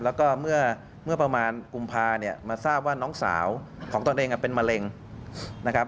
แล้วก็เมื่อประมาณกุมภาเนี่ยมาทราบว่าน้องสาวของตนเองเป็นมะเร็งนะครับ